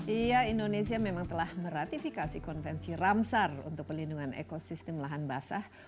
iya indonesia memang telah meratifikasi konvensi ramsar untuk pelindungan ekosistem lahan basah